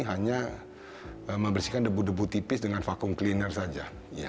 hanya membersihkan debu debu tipis dengan vakum cleaner saja